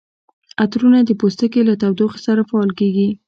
عطرونه د پوستکي له تودوخې سره فعال کیږي.